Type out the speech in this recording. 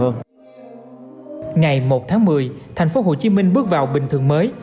ngày một tháng một mươi thành phố hồ chí minh bước vào bình thường mới